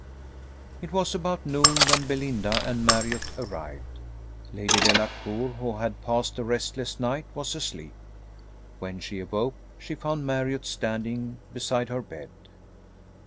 It was about noon when Belinda and Marriott arrived. Lady Delacour, who had passed a restless night, was asleep. When she awoke, she found Marriott standing beside her bed.